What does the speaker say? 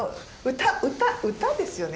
歌ですよね？